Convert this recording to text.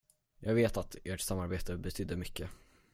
Jag vet att ert samarbete betydde mycket.